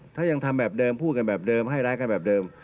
ถ้ายังทำแบบเดิมพูดกันแบบเดิมให้ร้ายกันแบบเดิม